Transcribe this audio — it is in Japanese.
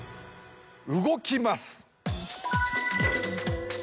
動きます！